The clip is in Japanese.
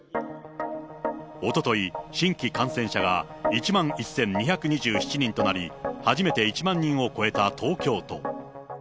おととい、新規感染者が１万１２２７人となり、初めて１万人を超えた東京都。